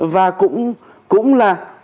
và cũng là